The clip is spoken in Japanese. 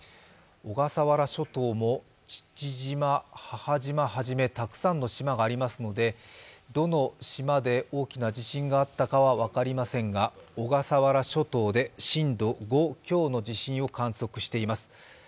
小笠原諸島も、父島、母島はじめたくさんの島がありますのでどの島で大きな地震があったかは分かりませんが小笠原諸島で震度５強の地震を観測しています。